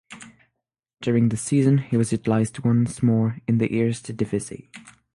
During the season he was utilised once more in the Eerste Divisie.